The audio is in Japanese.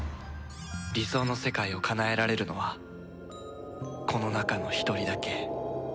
理想の世界をかなえられるのはこの中の１人だけ